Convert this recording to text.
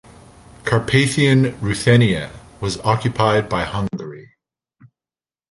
Carpathian Ruthenia was occupied by Hungary.